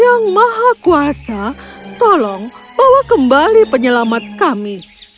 yang maha kuasa tolong bawa kembali penyelamat kami